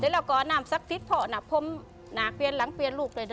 เดี๋ยวเราก็อนามสักพิษพอนะพร้อมหนาเกวียนหลังเกวียนลูกเลยด้วย